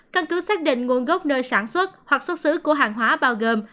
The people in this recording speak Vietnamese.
căn cứ xác định nguồn gốc nơi sản xuất hoặc xuất xứ của hàng hóa bao gồm